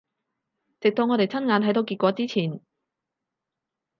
直到我哋親眼睇到結果之前